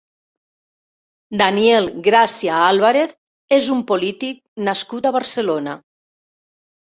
Daniel Gracia Álvarez és un polític nascut a Barcelona.